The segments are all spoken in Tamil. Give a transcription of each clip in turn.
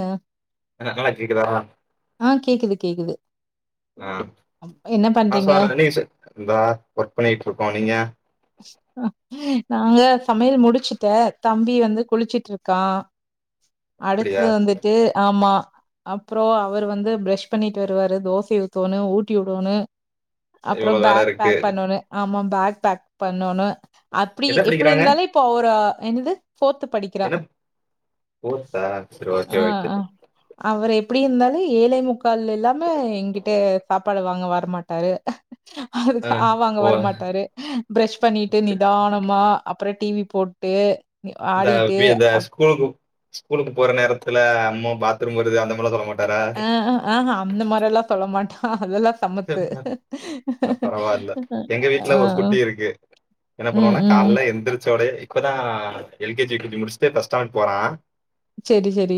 ஆஹ் [unintelligible] ஆஹ் கேக்குது கேக்குது ஆஹ் என்ன ஆஹ் பண்றீங்க? சொல்ற நீங்க சொ இந்தா ஒர்க் பண்ணிட்டு இருக்கோ நீங்க நாங்க சமையல் முடிச்சுட்ட தம்பி வந்து குளிச்சிட்டுருக்கா அப்படியா? அடுத்தது வந்துட்டு ஆமா அப்றோ அவர் வந்து ப்ரஷ் பண்ணிட்டு வருவாரு தோசை ஊத்தோனு ஊட்டி விடோன்னு அப்பறோ இவ்வளோ வேல பேக் இருக்கு. பேக் பண்ணனு ஆமாம் பேக் பேக் பண்ணோனு அப்டி என்ன இப்டி படிக்கிறாங்க? இருந்தாலே இப்போ ஒரு என்னது ஃபோர்த்து படிக்கிறா என்ன ஃபோர்த்தா? சரி ஓகே ஆஹ் ஓகே. அ அவரை எப்டி இருந்தாலு ஏழே முக் முக்கால் இல்லாமே எங்கிட் விட்டு சாப்பாடு வாங்க வரமாட்டாரு ஆ அதுக்கு ஆவங்க ஓ வரமாட்டாரு பிரஷ் பண்ணிட்டு நிதானமா அப்பற டி வி போட்டு நி இந்த ஆடிட்டு வீத அப் ஸ்கூலுக்கு ஸ்கூலுக்கு போற நேரத்துல அம்மு பாத்ரூம் வருது அந்த மாதிரிலா சொல்ல மாட் அ ஆஹ அந்த மாரி எல்லா சொல்ல மாட் சரி அப்போ பரவால்ல எங்க வீட்ல ஒரு ஆ. குட்டி இருக்கு என்ன ம், பண்ணுவானா ம். கால்ல எந்திரிச்சோடே இப்பதா எல் கே ஜி படி ச்சு முடிச்சுட்டு ஃபர்ஸ்ட் ஸ்டாண்டர்ட் போறான் சரி, சரி.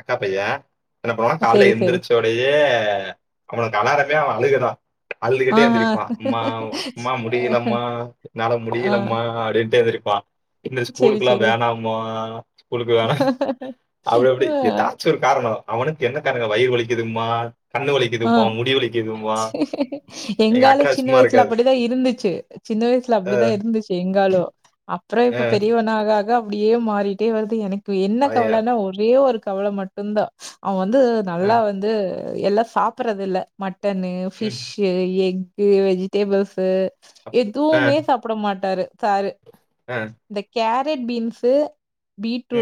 அக்கா பையன் என்ன பண்ணுவனா காலைல சரி, சரி. எழுந்திரிச்சோடையே அவன நேரமே அவன் அழுகதா அழுதுகிட்டே ஆஹா. எந்திரிப்பான் மா மா முடியலமா என்னால ஆ. முடியலம்மா அப்படின்ட்டு எந்திரிப்பான் இந்த சரி, ஸ்கூலுக்கு எல்லா சரி. வேணாமா ஸ்கூலுக்கு வேணா அப்டி அப்டி ஆ. ஏதாச்சும் ஒரு காரணம் அவனுக்கு என்ன காரணங்க வயிறு வலிக்குது மா கண்ணு வலி ஆ எங்க எங்காலு அக்கா சின்ன சும்மா வயசுல இருக்காது அப்படிதா இருந்துச்சு சின்ன வயசுல அப்படிதா அஹ், இருந்துச்சு எங்காலு அப்புறம் இப்ப அஹ், பெரியவன் ஆக ஆக அப்டியே மாறிட்டே வருது எனக் இப்ப என்ன பழைய கவலனா ஒரே ஒரு கவல மட்டும்தா அவன் வந்து நல்லா அஹ், வந்து எல்லா சாப்பறது இல்ல ம ட்டனு ம், ஃபிஷ்ஷு எக் கு வெஜிடபிள்ஸ் அப்- அஹ், எதுவுமே சாப்பிட மாட்டாரு சாரு அஹ், இந்த கேர் ரெட் பீன்ஸு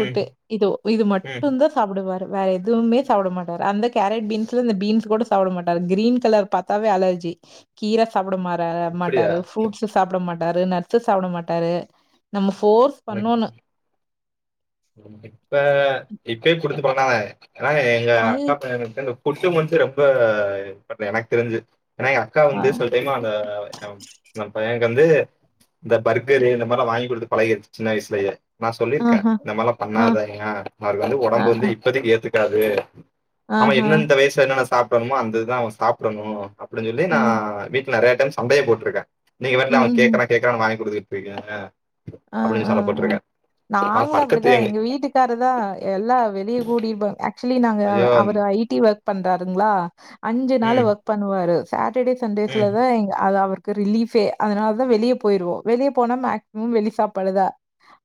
ம், இதோ இது ம். மட்டுந் தா சாப்புடுவாரு வேற எதுவுமே சாப்புட மாட்டாரு அந்த கேரட் பீன்ஸ்ல இந்த பீன்ஸ் கூட ஸ் சாப்புட மாட்டாரு கிரீன் கலர் பாத்தாவே அலர்ஜி கீர சாப்புட மா தர அப்படியா மாட்டாரு ஃப்ரூட்ஸு சாப்புட மாட் டாரு நட்ஸ் சாப்புட மாட்டாரு நம்ம ஃப் ஃபோர்ஸ் பண்ணோன்னு [unintelligible] கிட்ட இப்பேப் குடுத்து [unintelligible] நா எங்க அக்கா ஐ- பயனுக்கு தா இந்தப் ஃபுட்டு மட்டு ரொம்ப பண்ற எனக்கு தெரிஞ்சு ஏன்னா எ அக்கா ஆ வந்து சில டைம் அந்த [unintelligible] இவ அந் பையன் இங்க வந்து இந்த பர்க்கரு இந்த மார்லா வாங்கி குடுத்து பழகிடுச்சு சின்ன வயசுலயே நா சொல்லிருக்க ஆஹா இந்த மாரிலா ஆ பண்ணாதாய்ங்கா அவருக்கு வந்து ஆ ஒடம்பு வந்து ஆ, இப்பதிக்கு ஏத்து க்காது ஆமா ஆஹா எந்தெந்த வயசுல என்னன்ன சாப் புடுணுமோ அந்த இது அவ சாப்புடணு அப்டின்னு சொல்லி நா ஆ வீட் ல நெறய டைம் சண்டயே போட்ருக்கே நீங்க வேறல அவ ம் ம், கேக்குறா கேக்கறான்னு வாங்கி குடுக்கு றிங்க அப்டின்னு சண்டப் போட்ருக்கே லோ களு அப்டிதா எங்க வீட்டுக்காரர் தா எல்லா வெளியே கூட்டிட்டு போ ஆக்சுவலி நாங் க ஐயோ! அவரு ஐ டி ஒர்க் பண்றாருங்களா அஞ்சு நாளு ம், ஒர்க் பண்ணுவாரு சாட் ட்ர்டே சண்டேஸ்ல ம், தா எங் அது அவரு க்கு ரிலீஃபே அதனால தா வெளிய போயிருவோ வெளிய போனா மேக்சிமம் வெளி ஃப் சாப்பாடுதா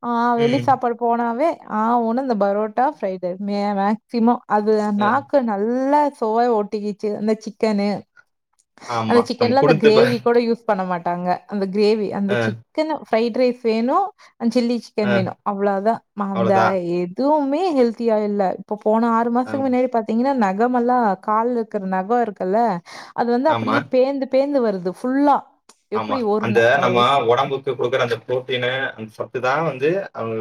ஆஹ் வெளி ம். சாப்பாடு போனாவே ஆவுன்னா இந்த பரோட்டா ஃப்ரைடு ரைஸ் மே மேக்சிமம் அது அ, நாக்கு நல்லா சுவை ஓட்டிக்கிச்சு அந்த சிக்கனு அந்த ஆமா. நம்ம சிக்கன்ல அந்த குடுத்து ப க்ரேவி கூட யூஸ் பண்ண மாட் டாங்க க்ரேவி அந்த அ, சிக்கன ஃப்ரைட் ரைஸ் வேணு அன் சில்லி அ சிக்கன் வேணு அவ்ளோதா மாந்த அவ்வளோதான். எத் துவுமே ஹெல்தியா இல்ல இப்போ போன ஆறு மாசக்கு அம், முன்னாடி பாத்தீங்கனா நான் நகமல்லா கால்ல இருக்குற நகொ இருக்குல்ல அது வந்து ஆமா, அப்டியே பேந்து பேந்து வருது ஃபுல்லா ஆமா எப்டி ஒரு அந்த ந நம்ம ஓ, ஒடம்புக்கு குடுக்குற அந்த ப்ரோட்டினு அந்த சத்துதா வந்து அவங்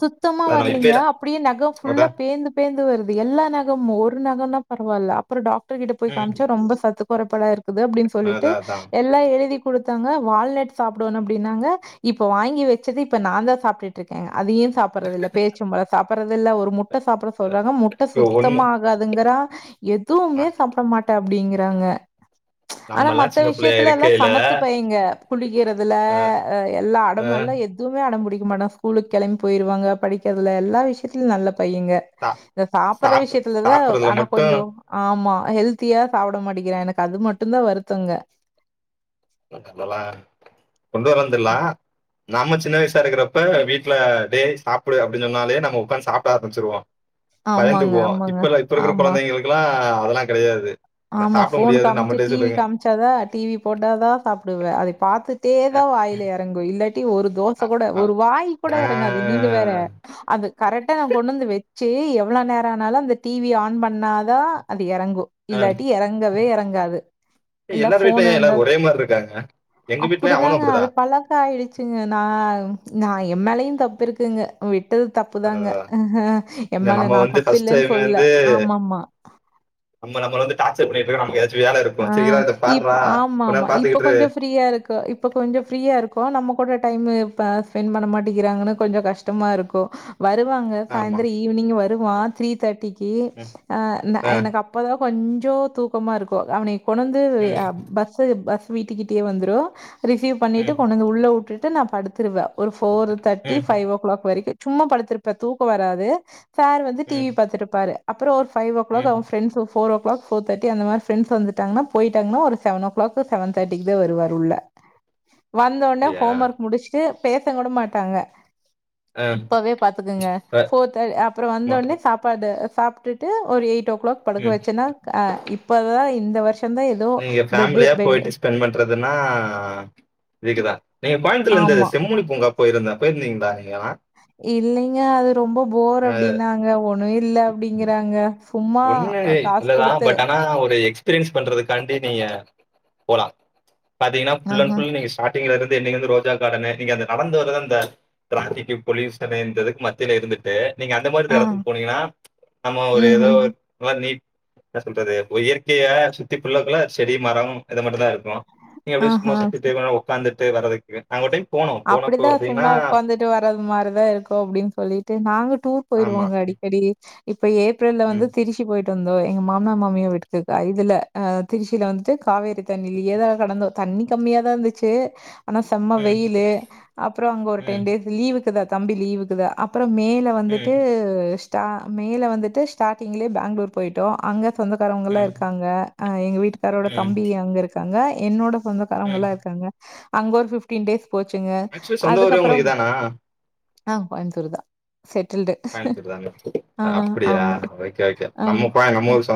சுத்தமா வர்லிங்க அப்டியே நகம் ஃபுல்லா அதான். பேந்து பேந்து வருது எல்லா நகமும் ஒரு நகனா பர வால்ல அப்றம் டாக் டர் கிட்ட போய் ம். காம்ச்சா ரொம்ப சத்து பொறப்பலா இருக் குது அப்டின்னு சொல்லிட்டு அதான், அதான். எல்லா எழுதி குடுத் தாங்க வால்நட் சாப்படுவன் அப்டின்னாங்க இப்போ வாங்கி வச்சது இப்ப நான்தா சாப்டிட்டு இருக் கே அதயு சாப்புட்றதில்ல பேரிட்ச்சம்பழம் சாப்பிட்றது இல்ல ஒரு முட்ட சாப்பிட சொல்றாங்க முட்ட இப்போ ஒண்ணு சுத்தமா ஆகாதுங்குறா அ எதுவுமே சாப்ட மாட்டா அப்டிங்றாங்க ஆனா நம்மலாம் மத்த சின்ன பிள்ளையா விஷயத்துலலா இருக்கையில, சமத்து பையங்க. குளிக்கிறதுல அ, எல்லா அ அடமெல்லா எதுமே அடம்புடிக் மாட்டா ஸ்கூலுக்கு கெளம்பி போய்றுவாங்க படிக் கிறதுல எல்லா விஷயத்திலயு நல்ல பையங்க சா இத சாப்பிடுற சாப் விஷயத்துலதா சாப்பிடுறதுல ஆனா மட்டும் கொஞ்சோ ஆமா ஹெல்த்தியா சாப்ட மாட்டேங்கிறா எனக்கு அது மட்டுந்தா வருத்தங்க மொத்ததுல கொண்டு வரானு தெர்ல அ நாம சின்ன வயசா இருக்குறப்ப வீட்ல டேய் சாப்புடு அப்டின்னு சொன்னாலே நம்ம உக்காந்து சாப்ட ஆரம்பிச்சிருவோ. ஆமாங்க, பயந்துக்குவோ. ஆமாங்க. இப்பலா இப்ப இருக்குற ஆமா, கொழந்தைங்களுக்கலா அதெல்லா கெடையாது ஆமா ஃபோன் காமிச்சு டிவி காமிச்சாதா டிவி போட்டாதா சாப்புடுவே அதை பாத்து டே அ தா வாயில எறங்கு இல்லா டி ஒரு அ தோசை கூட அ ஒரு வாய் கூட ஆ எறங்காது நீங்க வேற அது கரெக்டா நா கொண்டு வந்து வை ச்சு எவ்ளோ நேரம் ஆனாலு அந்த டிவி ஆன் பண்ணாதா அது எறங்கு அ இல்லாட்டி எறங்கவே எறங்காது இல்ல எல்லார் வீட்ல ஃபோன் ஏன் இருந்தா எல்லாரும் ஒரே மாரி இருக்காங்க? எங்க வீட்ல அவனும் அப்டிதாங்க அது அப்படிதான். பழக்கம் ஆயிடுச்சுங்க நா நா எம்மேலையு தப்பு இருக்குங்க விட் ட்டது தப்புதாங்க அதுதான் அதான். ஆ இந்த எம்மேல நம்ம நா வந்து தப்பு ஃபர்ஸ்ட் இல்லன்னு டைம் சொல்லல வந்து ஆமாமா நம்ம நம்மள வந்து டார்ச்சர் பண்ணிட்டு இருக்கா நமக்கு ஏதாச்சு ஆ இப் ஆமா ஆமா நேரம் இப்ப பார்த்துக்கிட்டு இரு. கொஞ்சோ ஃப்ரீயா இருக்கு இப்ப கொஞ்சோ ஃப்ரீயா இருக்கும் நம்ம கூட டைமு இப்ப ஸ்பெண்ட் பண்ண மாட்டேங்கிறாங்கன்னு கொஞ்சோ கஷ்டமா இருக்கு வருவாங்க ஆமா. சாயந்தர ஈவினிங் வ ருவா த்ரீ தேர்ட்டி க்கி ம். ஆ ஆ. எனக்கு அப்பதா கொஞ்சோ தூக்கமா இருக் கு அவனே கொண்டு வந்து ம். அ பஸ்ஸு பஸ் வீட்டுக்கிட்டயே வந்துரு ரிசீவ் பண்ணிட்டு ம். கொண்டு வந்து உள்ள உட்டுட் டு நா படுத்துருவே ஒரு ஃபோரு தர்ட்டி ம். ஃபைவ் ஒ க்ளாக் வரைக்கு சும்மா படுத்திருப்பே தூக்கம் வராது சார் வந்து டி ம். வி பாத்துட்டுப்பாரு அப்புறோ ஒரு ஃபைவ் ஒ க்ளாக் ம். அவன் friends four o'clock four thirty அந்த மாரி ஃபிரெண்ட்ஸ் வந்துட்டாங்கன்னா போயிட்டாங்கன்னா ஒரு செவன் ஓ கிளாக் செவன் தேர்டிக்கு தா வருவாரு உள்ள வந்தொடனே அப்படியா? ஹோம் ஒர்க் முடிச்சுட்டு பேச கூட மாட்டாங்க ஆ. இப்பவே பாத்துக்குங்க அ. ஃபோர் த அப்புறோ வந்தொடனே சாப்பாடு சாப்ட்டுட்டு ஒரு எயிட் ஓ க்ளாக் படுக்க ம். வச்சுன்னா அ இப் தா இந்த வருஷ் நீங்க ஃபேமிலியா போயிட்டு ஸ்பெண்ட் பண்றதுன்னா இதுக்குதா நீங்க கோயம்பத்துர்ல இந்த செம்மொழி பூங்கா போயிருந்தே போயிருந்தீங்களா நீங்கலாம்? இல்லைங் ய அ ரொம்ப போர் அ அப்டின்னாங்க ஒண்ணு இல்ல அப்டிங்கிறாங்க சும்மா ஒண்ணுமே அ காசு இல்லதா குடுத்து பட் ஆனா ஒரு எக்ஸ்பீரியன்ஸ் பண்றதுக்காண்டி நீங்க போலா பாத்தீங்கன்னா ஃபுல் ஆஹ. அண்ட் ஃபுல் நீங்க ஸ்டாட்டிங்லருந் து இங்கிருந்து ரோஜா கார்டனு நீங்க அந்த நடந்துவரத அந்த ட்ராபிக் பொல்யுஷனு இந்ததுக்கு மத்தியில இருந்துட்டு நீங்க அந்த மாரி இந்த ஆ. எடத்துக்கு போனீங்கன்னா நம்ம ஒரு ஏதோ ம்ஹ்ம். ஒரு நல்லா நீட் என்ன சொல்றது ஒரு இயற்கைய சுத்தி புள்ளுருக்குள்ள செடி மரம் இது மட்டும் தா இருக் கு நீங்க அப்டி ஆஹ. சும்மா சுத்திட் கொஞ் நேரோ ஒக்காந்துட் ட்டு வரத்துக்கு அங்க ஒரு டைம் போனோம். போனப்போ அப்படிதா பாத்தீங்கன்னா சும்மா உக்காந்துட்டு வர்றது மாதிரிதா இருக்கு அப்டின்னு சொல்லிட்டு நாங்க டூர் ஆமா. போயிருவோங்க அடிக்கடி இப்ப ஏப்ரல்ல வந்து ம். திருச்சி போயிட் ட்டு வந்தோ எங்க மாமனா மாமியா வீட்டுக்கு இதுல அஹ் திருச்சில வந்துட்டு காவேரி தண்ணிலயே தா கடந்தோ தண்ணி கம்மியாதா இருந்துச்சு ஆனா செம்ம ம். வெயில் கு அப்புற அங்க ஒரு ம். டென் டேஸ் லீவ் இருக்குதா தம்பி லீவுக்குது அப் அப்றம் மேல ம். வந்துட்டு ஸ்டா மேய்ல வந்துட்டு ஸ்டார்டிங்லயே பேங்ளூர் போயிட்டோ அங்க சொந்தக்காரவங்க எல்லா ம், இருக்காங்க எங்க வீட்டுக்காரோட ம், தம்பி அங்க இருக் இருக்காங்க என்னோட ம். சொந்தக்காரவங்கல்லா இருக்காங்க அங்க ஒரு ஃபிஃப்டீன் டேஸ் போச்சுங்க. ஆக்சுவலி சொந்த ஊரு உங்களுக்கு இதானா ஆஹ் கோயமுத்தூர் தா கோயமுத்தூர் தான அப்படியா ஆமா. ஓகே ஓகே ஆ நம்ம கோ அ நம்ம சொ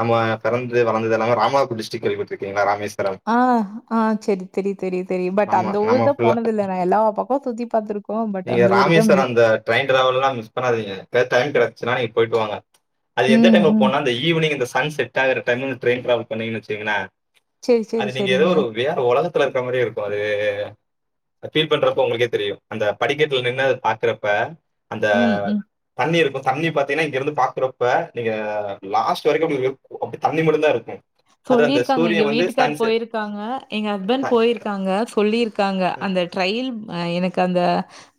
நம்ம பெறந்து வளந்ததெல்லாமே ராமாநாதபுர டிஸ்ட்ரிக்ட் கேள்விப்பட்டருக்கிங்களா ராமேஸ் ஆஹ் ஆஹ் சரி தெரி தெரியு தெரியு பட் நம்ம அந்த ஊரு நம்ம தா ஃபுல்லா போனதில்ல நா எல்லாப்பக்க சுத்தி பாத்துரு நீங்க ராமேஸ்வர அந்த ட்ரயின் டிராவல்லா மிஸ் பண்ணாதீங்க எதா டைம் கிடச்சுச்சுன்னா நீங்க போயிட்டு வாங்க அது எந்த ம், டைம்ல ம். போனா அந்த ஈவினிங் இந்த சன் செட் ஆகுர டைம் இந்த ட்ரைன் ட்ராவல் பண்ணீங்கன் வச்சுக்கங்களே சரி, சரி, அது நீங்க ஏதோ சரிங்க. ஒரு வேற ஒலகத்துல இருக்க மாரியே இருக்கு அது அத ஃபீல் பண்றப்ப உங்களுக்கே தெரியு அந்த படிக்கட்டுல நின்னு அத பாக்குறப்ப அந்த ம், ம். தண்ணி இருக்கு தண்ணி பாத் ன இங்க இருந்து பாக்குறப்ப நீங்க லாஸ்ட் வரைக்கு அப்படி அப்புடி தண்ணி மட்டுந் தா இருக்கு சொல்லிருக்காங்க எங்க வீட்டுக்கார் போயிருக்காங்க எங்க ஹஸ்பண்ட் சன் போயிருக்காங்க சொல்லிருக் க்காங்க ம் அந்த ட்ரய்ல் எனக்கு அந்த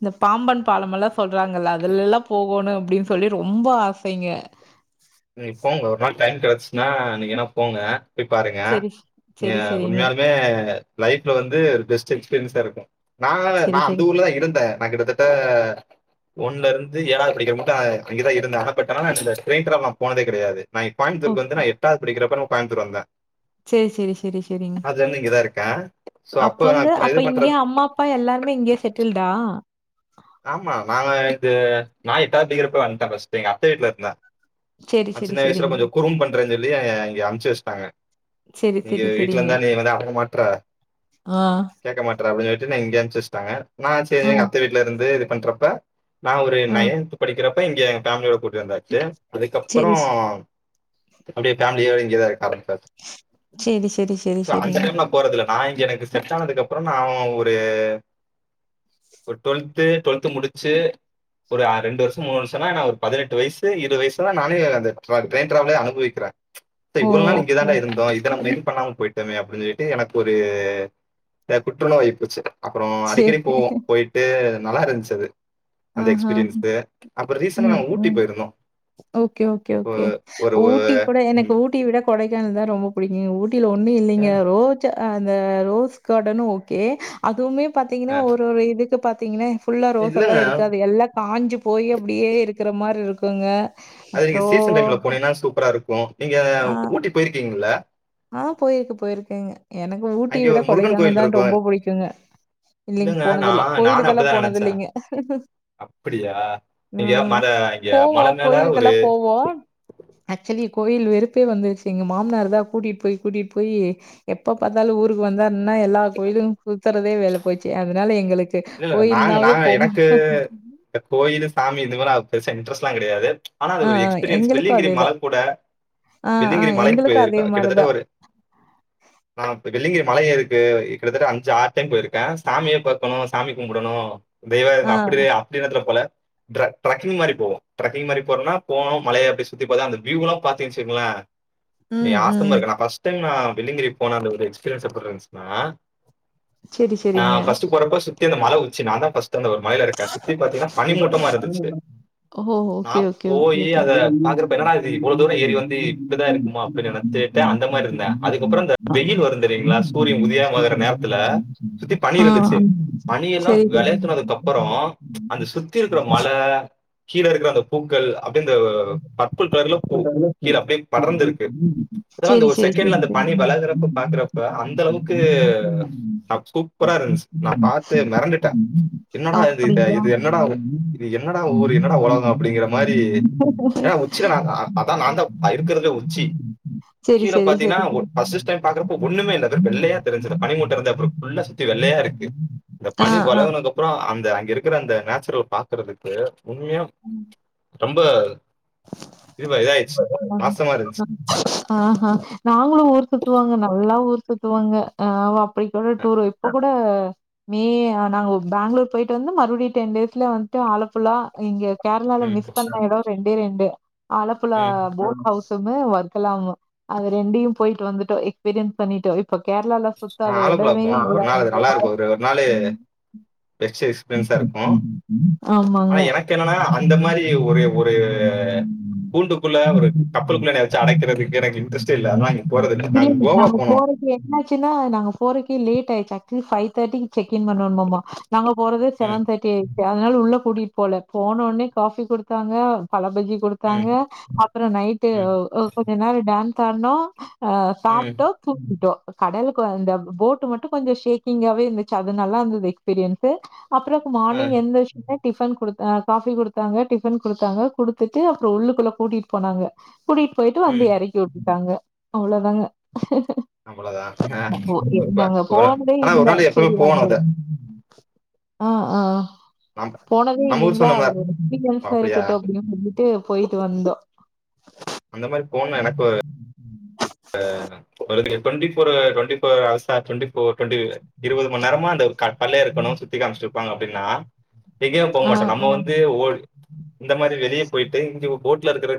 இந்த பாம்பன் பாலமெல்லாம் சொல்றாங்கல்ல அதுல எல்லா போகோணு அப்படின்னு சொல்லி ரொம்ப ஆசைங்க நீங் போங்க ஒரு நாள் டைம் கெடைச்சுச்ன்னா நீங்க வேணா போங்க போய் பாருங்க சரி, எ சரி, சரிங்க. உண்மையாலுமே லைஃப்ல வந்து ஒரு பெஸ்ட் பென்சார்ருக்கும் நா சரி, நா அந்த சரி. ஊர்லதா இருந்தே நா கிட்டத்தட்ட ஒன்லருந்து ஏழாவது படிக்கிற முட்டோ அங்கதா இருந்தே ஆன [unintelligible] போனதே கெடையாது நா கோயம்புத்தூர்கு வந்து நா எட்டாவது படிக்கிறப்ப கோயம்புத்தூர் வந்தே செரி செரி செரி செரிங்க கா அப்ப வந்து அப்ப இங்கேயே அம்மா அப்பா எல்லாருமே இங்கேயே செட்டில்டா ஆமா நாங்க இது [unintelligible] வந்துட்டே பஸ்ட்டு எங்க அத்த வீட்ல இருந்தே சரி, நா சரி, சின்ன வயசுல சரிங்க. கொஞ்சோ குறும்பு பண்றேன்னு சொல்லி இங்க அமுச்சு வச்சுட்டாங்க சரி, இங்க சரி, வீட்டுல சரிங்க. இருந்தா நீ வந்து அடங்க மாட்ற ஆ, கேக்க மாட்ற அப்டின்னு சொல்லிட்டு இங்க அனுப்சு வச்சுட்டாங்க நா சேரி ஆ, எங்க அத்த வீட் வந்து இது பண்றப்ப நா ஒரு ஆ. நயன்ந்து படிக்கிறப் இப்ப இங்க ஃபேமிலியோட கூட்டு வந்தாச்சு அதுக்கப்பறோ சரி, ஸ் அப்டியே ஃபேமிலியோட இங்கேதா இருக்காரு சரி, சரி, சரி, ச அந்த சரிங்க. டைம்ல நா போறதுல்ல நா இங்க எனக்கு செட் ஆனதுக்கு அப்பறோ நா ஒரு டுவல்த்து டுவல்த்து முடிச்சு ஒரு அ ரெண்டு வருஷோ மூணு வருஷோன்னா நா ஒரு பதுனெட்டு வயசு இருவது வயசுல நானே அந்த ட்ரெயின் ட்ராவெல அனுபவிக்குறே ஓ! இவ்ளோ நாள் இங்க ஓகே. தான்டா இருந்தோ இத்தன மேல் பண்ணாம போயிட்டமே அப்டின்னு சொல்ட்டு எனக்கு ஒரு குற்ற நோய் புடுச்சு அப்பறோ அடிக்கடி சரி. போவோ போயிட் நல்லா இருந்துச்சு அது ஆ அந்த ஹா எக்ஸ்பீரியன்ஸ் அப்புறம் ரீசெண்டா உம் நாங்க ஊட்டி உம் போயிருந்தோம் ஓகே ஓகே ஓகே ஒ- ஒரு ஊட்டி ஒ- கூட எனக்கு ம், ஊட்டி விட கொடைக்கானல்தா ரொம்ப புடிக்கு நீ ஊர் ஊட்டில ஒன்னு இல்லைங்க ஏன்? ரோஜா அந்த ரோஸ் கார்டன் ஓகே அதுவுமே பாத்தீங்கன்னா அஹ், ஒரு ஒரு இதுக் பாத்தீங்கனே ஃபுல்லா ரோஸ்சல்லா இல்லங்க இருக் த்து அது எல்லா காஞ்சு போயி அப்டியே இருக்குற மார் இருக்கு க்குங்க அது நீங்க சீசன் டைம்ல போனீங்கன்னா சூப்பரா இருக்கு நீங்க ஆ. ஊட்டி போயிருக்கீங்கள ஆ போயிருக்கு போயிருக்கேங்க எனக்கு ஊட்டிய அங்க விட ஒரு முருகன் கொடைக்கானல் கோயில் தான் இருக்கும் ரொம்ப புடிக்குங்க இல்லைங்க இல்லங்க போனது இல்ல நான் நானும் கோயிலுக்கெல்லா அப்படிதான் போனது நினைச்சேன் இல்லைங்க அப்படியா இங்க ம் மலை இங்க போவோ மலை மேல ஒரு கோயிலுக்கெல்லா போவோம் ஆக்சுவலி கோயில் வெறுப்பே வந்துருச்சு எங்க மாமனார் தா கூட்டிட்டு போய் கூட்டிட்டு போய் எப்ப பாத்தாலு ஊருக்கு வந்தா என்னா எல்லா கோயிலு சுத்துறதே வேலை போச்சு அதனால எங் இல்ல இல்ல நாங்க நாங்க எனக்கு இந்த கோயிலு சாமி இந்த மாரி பெருசா இன்ட்ரஸ் ட்லா கெடையாது ஆனா ஆ அது ஒரு ஆ எக்ஸ்பீரியன்ஸ் எங்களுக்கும் வெள்ளியங்கிரி மல அதேதான். கூட ஆ ஆ வெள்ளியங்கிரி மலைக்கு எங்களுக்கும் அதே போயிருக்கே மாரி கிட்டத்தட்ட தான். ஒரு அ வெள்ளிங்கிரி மலயே இருக்கு கிட்டத்தட்ட அஞ்சு ஆறு டைம் போயிருக்கே சாமிய பாக்கணு சாமி கும்டணு தெய்வ ஆ அப்டி அப்டி எண்ணத்துல போல ட்ரக் ட்ரக்கிங் மாரி போவோ ட்ரக்கிங் மாரி போனா போனோ மலைய அப்ப சுத்தி பாத்து அந்த வியூ எல்லா பாத்தீங் வச்சுங்களே நீ ம் ஆசமா ம். இருக்க நா ஃபஸ்ட் டைம் நா வெள்ளியங்கிரி போன அந்த ஒரு எக்ஸ்பீரியன்ஸ் எப்டி இருந்துச்சுன்னா சரி நா சரிங்க. ஃபஸ்ட் போறப்ப சு மல உச்சி நான் தா ஃபஸ் ந்த ஒரு மலைல இருக்க சுத்தி பாத்தீங்கன்னா பனி மூட்டமா இருந்துச்சு ஓ! ஓகே, நான் ஓகே, ஓகே, போய் ஓகே. அத பாக்குறப்ப என்னடா அது இவ்வளவு தூரம் ஏறி வந்து இப்படிதான் இருக்குமமா அப்படின்னு நெனைச்சிட்டு அந்த மாரி இருந்தே அதுக்கப்புறம் இந்த வெயில் வரு தெரியுங்களா சூரியன் உதயமாகுற நேரத்துல சுத்தி பனி ஆ, இருந்துச்சு ஆ. பனியெல்லா சரி, சரி. வெளக்குனதுக்கு அப்போ அப்றோ அந்த சுத்தி இருக்கிற மல கீழ இருக்கிற அந்த பூக்கள் அப்படியே இந்த பர்ப்பிள் கலர்ல பூ கீழ அப்படியே படர்ந்துருக்கு இதுலா அந்த செரி செரி ஒரு செரி செகண்ட்ல செரி அந்த பணி வெளகுறப்ப பாக்கறப்ப அந்த அளவுக்கு சூப்பரா இருந்துச்சு நா பாத் த்து மெரண்டுட்டே என்னடா இது இத அப்டிங்களா இது என்னடா இ என்னடா ஊரு என்னடா உலகம் அப்படிங்கிற மாரி போயி ஏனா உச்சியில நா அதா நான் தா இருக்கிறதுல உச்சி செரி கீழ செரி பாத்தீங்கனா செரி செரி ஃபர்ஸ்ட்டு டைம் பாக்குறப்ப ஒண்ணுமே இல்ல இந்த வெள்ளையா தெரிஞ்சது பனி மூட்ட இருந்த எப்படி இருக்கு ஃபுல்லா சுத்தி வெள்ளையா இருக்கு இந்த ஆ பணி ஆ வெளகுனக்கப்புறம் அந்த அங்கிருக் அங்க இருக்கிற அந்த நேச்சுரல் பாக்குறதுக்கு உண்மையா ரொம்ப இதுவா இதாயிருச்சு. நாசமா இருந்துச்சு. ஆஹா நாங்களு ஊர் சுத்துவோங்க நல்லா ஊர் சுத்துவாங்க ஆ போய்க்கோல அ, டூரு [unintelligible] ல மே நாங்க பேங்களூர் போயிட்டு வந்து மறுபடியும் டென் டேஸ்ல வந்துட்டு ஆலப்புல்லா இங்க கேர்ளால ம், மிஸ் பண்ண எடோ ரெண் ரெண்டே ரெண்டு அலப்புழா ம். போட்ஹவுஸ் சமு ஒர்க்கலாமு அது ரெண்டையு போயிட்டு வந்துட்டு எக்ஸ்பீரியன்ஸ் பண்ணிட்டு இப் ப கேரளால அ சுத்தாத ஆலப்புழா எடமே போங்க. இல்ல ஒரு நாள் அது அப்டிங்கிற மாரி நல்லாருக்கும். ஒரு ஒரு நாளு ம் பெஸ்ட் எக்ஸ்பீரியன்ஸா இருக்கும். ஆமாங்க ஆனா எனக்கு என்னன்னா, அந்த மாரி ஒரு ஒரு கூண்டுக்குள்ள, ஒரு கப்பலுக்குள்ள என்னைய வச்சு அடைக்கிறதுக்கு எனக்கு இன்ட்ரெஸ்ட்டே இல்ல. அதனால அங்க போறதில்ல. இல்லைங்க கோவா நாங்க போனோம். போறது என்னா ஆச்சுன்னா நாங்க போறக்கே லேட் ஆயிச்சு ஆக்சுவலா ஃபைவ் தேர்ட்டிக்கு செக் இன் பண்ணணோமா நாங்க போறது ம், செவன் தேர்டி ஆயி சு அதனால உள்ள கூட்டிட்டு போல போன ஒடனே காஃபி குடுத்தாங்க பல கி கொடுத்தாங்க ம், அப்புறோ நைட்டு ம். ஒ ஒ கொஞ்ச நேரொ டான்ஸ் ஸாட்னோ ஆஹ் ம். சாப்ட்டோ தூங்கிட்டோ கடலுக்கு அந்த போட்டு மட்டு கொஞ்சொ ஷேக்கிங்காவே இருந்துச்சு அது நல்லா இருந்தது எக்ஸ்பீரியன்ஸ் ஸு அப்புறோ ஆ. மார்னிங் எந்துருச்சுடு டிஃபன் குடுத்தா காஃபி குடுத்தாங்க டிஃபன் குடுத்தாங்க குடுத்துட்டு அப்புறொ உள்ளுக்குள்ள கூட்டிட்டு போனாங்க கூட்டிபோயிட்டு வந்து ம். எறக்கி விட்டுட்டாங்க அவ்வளோ தாங்க அவ்வளதாங்க குறிப்ப நாங்க போறப்ப ஒரு போனதே ஆனா ஒரு நாள் எப்பவு போணு அத அஹ் ஆஹ் நம் போனதே நம்ம ஊர் இல்லைங்களா சொன்னோம்ல. அது ஒரு எக்ஸ்பிரியன்ஸ்ஸா அப்படியா? இருக்கட்டொ அப்டினு சொல்லி ட்டு போயிட்டு வந்தோ அந்த மாரி போணும்னு உம் எனக்கு ம் ம் டொண்ட்டி ஃபோரு டொண்ட்டி ஃபோர் ஹவர்ஸா டொண்ட்டி இப்போ டொண்ட்டி இருவது மணி நேரமா அந்த க கல்லே இருக்கனு சுத்தி காமிச்சிட்டு இருப்பாங்க அப்டின்னா எங்கேயு ஆ போமாட்டோ நம்ம ஆ வந்து ஒரு இந்த மாரி வெளிய போய்ட்டு இங்க போட்ல இருக்கற